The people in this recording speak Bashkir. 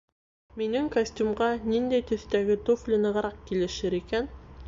Минең костюмға ниндәй төҫтәге туфли нығыраҡ килешер икән?